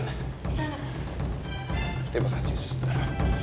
terima kasih sistir